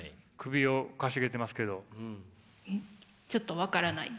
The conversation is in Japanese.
ちょっと分からないです。